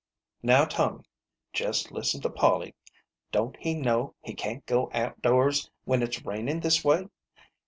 " Now, Tommy, jest listen to Polly. Don't he know he can't go out doors when it's rainin' this way